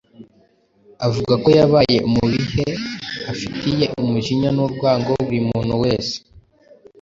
avuga ko yabaye umubihe, afitiye umujinya n'urwango buri muntu wese